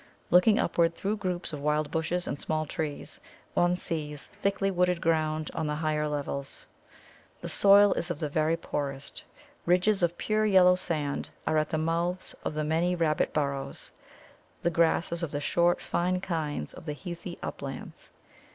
Looking upward through groups of wild bushes and small trees, one sees thickly wooded ground on the higher levels. The soil is of the very poorest; ridges of pure yellow sand are at the mouths of the many rabbit burrows. The grass is of the short fine kinds of the heathy uplands.